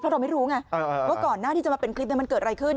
เพราะเราไม่รู้ไงว่าก่อนหน้าที่จะมาเป็นคลิปมันเกิดอะไรขึ้น